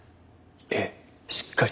ええしっかり。